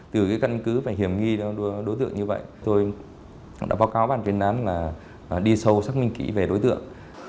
từ căn cứ hiểm nghi đối tượng như vậy tôi đã báo cáo bàn phiên án đi sâu xác minh kỹ về đối tượng